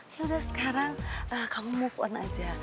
yaudah sekarang kamu move on aja